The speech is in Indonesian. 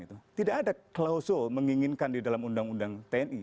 tidak ada klausul menginginkan di dalam undang undang tni